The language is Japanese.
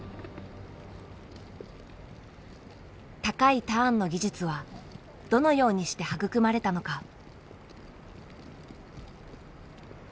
高いターンの技術はどのようにして育まれたのか。